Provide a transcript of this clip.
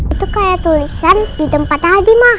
itu kayak tulisan di tempat tadi ma